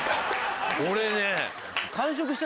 俺ね。